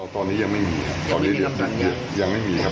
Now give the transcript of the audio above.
ตอนนี้ยังไม่มีครับตอนนี้ยังไม่มีครับยังไม่มีครับ